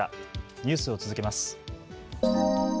ニュースを続けます。